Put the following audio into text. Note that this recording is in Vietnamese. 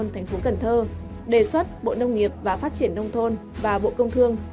thành phố cần thơ đề xuất bộ nông nghiệp và phát triển nông thôn và bộ công thương